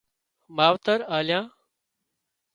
ماوتر آليان